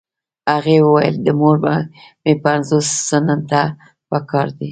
هغې وويل د مور مې پنځوس سنټه پهکار دي.